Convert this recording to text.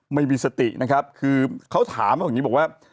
ไม่มีสตินะครับคือเขาถามว่าอย่างนี้บอกว่า